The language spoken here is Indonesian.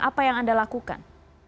apa yang anda lakukan